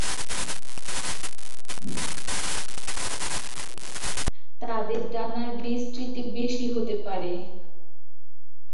তাদের ডানার বিস্তৃতি এর বেশি হতে পারে।